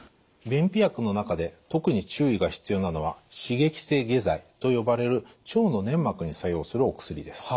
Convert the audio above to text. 便秘薬の中で特に注意が必要なのは刺激性下剤と呼ばれる腸の粘膜に作用するお薬です。